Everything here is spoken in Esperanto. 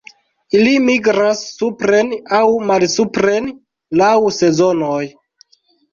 Ili migras supren aŭ malsupren laŭ sezonoj.